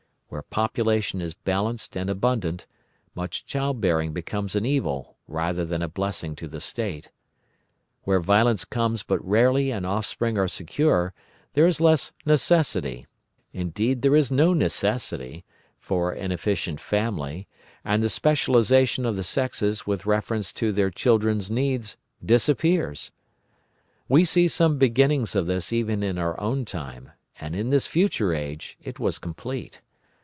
Where population is balanced and abundant, much childbearing becomes an evil rather than a blessing to the State; where violence comes but rarely and offspring are secure, there is less necessity—indeed there is no necessity—for an efficient family, and the specialisation of the sexes with reference to their children's needs disappears. We see some beginnings of this even in our own time, and in this future age it was complete.